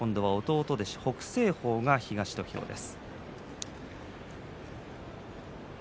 弟弟子の北青鵬が土俵です。